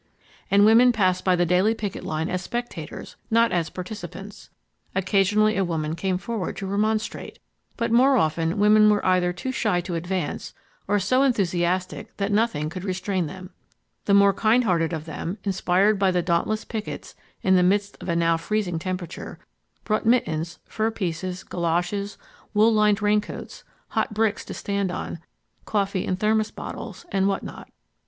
And women passed by the daily picket line as spectators, not as participants. Occasionally a woman came forward to remonstrate, but more often women were either too shy to advance or so enthusiastic that nothing could restrain them. The more kind hearted of them, inspired by the dauntless pickets in the midst of a now freezing temperature, brought mittens, fur pieces, golashes, wool lined raincoats: hot bricks to stand on, coffee in thermos bottles and what not.